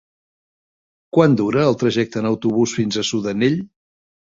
Quant dura el trajecte en autobús fins a Sudanell?